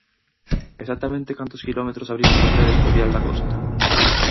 ¿Exactamente cantos quilómetros abriron vostedes co vial da costa?